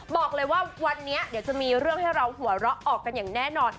บอกเลยว่าวันนี้เดี๋ยวจะมีเรื่องให้เราหัวเราะออกกันอย่างแน่นอน